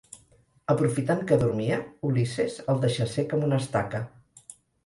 Aprofitant que dormia, Ulisses, el deixà cec amb una estaca.